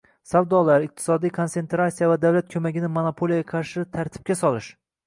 savdolar, iqtisodiy konsentratsiya va davlat ko‘magini monopoliyaga qarshi tartibga solish;